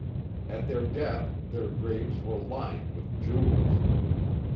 At their death their graves were lined with jewels.